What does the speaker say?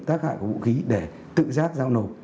tác hại của vũ khí để tự giác giao nổ